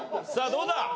さあどうだ？